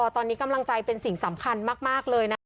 ตอนนี้กำลังใจเป็นสิ่งสำคัญมากเลยนะคะ